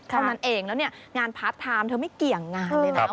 เท่านั้นเองแล้วเนี่ยงานพาร์ทไทม์เธอไม่เกี่ยงงานเลยนะ